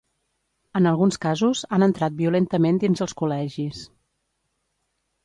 En alguns casos, han entrat violentament dins els col·legis.